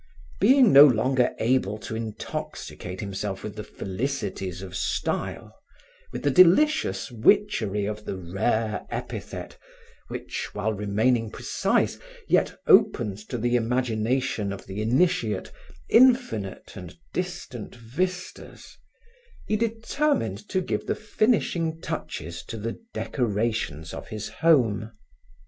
Being no longer able to intoxicate himself with the felicities of style, with the delicious witchery of the rare epithet which, while remaining precise, yet opens to the imagination of the initiate infinite and distant vistas, he determined to give the finishing touches to the decorations of his home.